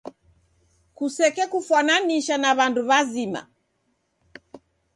Kusekekufwananisha na w'andu w'azima.